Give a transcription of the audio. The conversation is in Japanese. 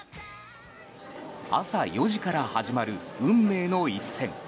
朝４時から始まる運命の一戦。